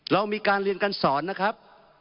เรามีการเรียนการสอนนะครับ